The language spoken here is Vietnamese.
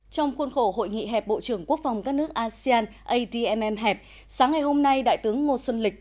trong khuôn khổ hội nghị hẹp bộ trưởng quốc phòng các nước asean admm hẹp sáng ngày hôm nay đại tướng ngô xuân lịch